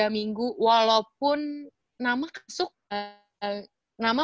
tiga minggu walaupun nama